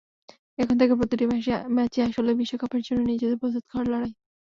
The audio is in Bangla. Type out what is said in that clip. এখন থেকে প্রতিটি ম্যাচই আসলে বিশ্বকাপের জন্য নিজেদের প্রস্তুত করার লড়াই।